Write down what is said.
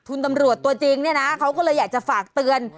คุณตำรวจตัวจริงเนี่ยนะเขาก็เลยอยากจะฝากเตือน